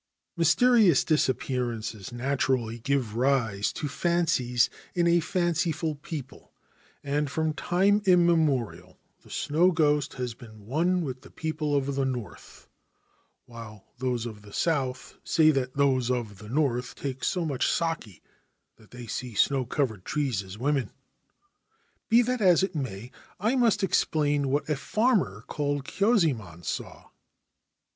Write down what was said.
Mysterious disappearances naturally give rise to fancies in a fanciful people, and from time immemorial the Snow Ghost has been one with the people of the North ; while those of the South say that those of the North take so much sake that they see snow covered trees as women. 307 Ancient Tales and Folklore of Japan Be that as it may, I must explain what a farmer called Kyuzaemon saw.